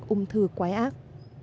bệnh ung thư quái ác